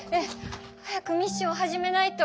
早くミッションを始めないと。